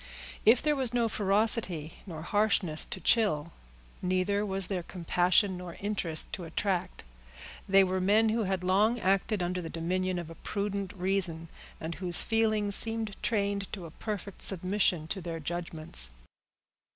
If there was no ferocity nor harshness to chill, neither was there compassion nor interest to attract. They were men who had long acted under the dominion of a prudent reason, and whose feelings seemed trained to a perfect submission to their judgments.